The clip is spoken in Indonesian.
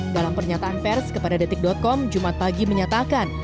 dalam pernyataan pers kepada detik com jumat pagi menyatakan